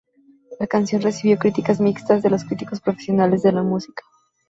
La canción recibió críticas mixtas de los críticos profesionales de la música.